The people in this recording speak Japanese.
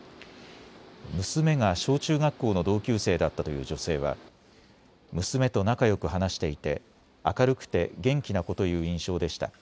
娘が小中学校の同級生だったという女性は娘と仲よく話していて明るくて元気な子という印象でした。